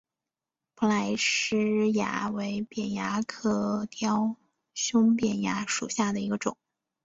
蓬莱虱蚜为扁蚜科雕胸扁蚜属下的一个种。